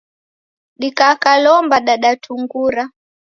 Dikakalomba dadatungura.